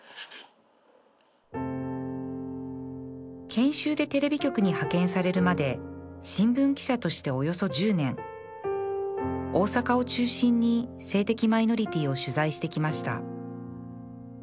研修でテレビ局に派遣されるまで新聞記者としておよそ１０年大阪を中心に性的マイノリティーを取材してきました